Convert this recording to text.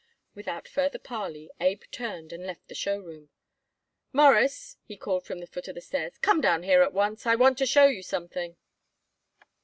Without further parley Abe turned and left the show room. "Mawruss," he called from the foot of the stairs, "come down here once. I want to show you something."